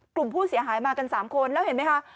กลุ่มผู้เสียหายมากัน๓คนแล้วเห็นไหมคะ